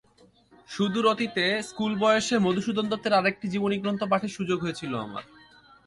সুদূর অতীতে, স্কুলবয়সে মধুসূদন দত্তের আরেকটি জীবনীগ্রন্থ পাঠের সুযোগ হয়েছিল আমার।